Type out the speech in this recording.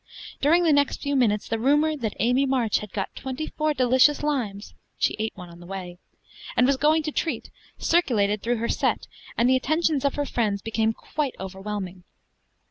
During the next few minutes the rumor that Amy March had got twenty four delicious limes (she ate one on the way), and was going to treat, circulated through her "set" and the attentions of her friends became quite overwhelming.